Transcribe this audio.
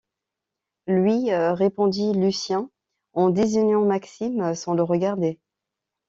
Lui, répondit Lucien en désignant Maxime sans le regarder.